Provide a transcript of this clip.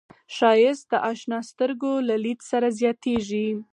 ښایست د اشنا سترګو له لید سره زیاتېږي